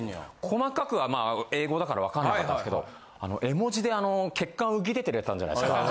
細かくはまあ英語だから分かんなかったですけど絵文字であの血管浮き出てるやつあるじゃないですか。